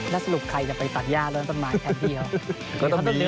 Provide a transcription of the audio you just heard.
แล้วสรุปใครจะไปตัดหญ้าแล้วต้องมาให้แพทย์ดีหรือ